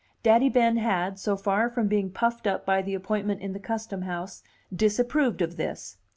Daddy Ben had, so far from being puffed up by the appointment in the Custom House, disapproved of this.